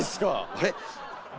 あれ？